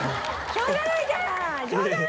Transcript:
しょうがないじゃん！